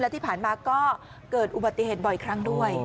ที่ผ่านมาก็เกิดอุบัติเหตุบ่อยครั้งด้วย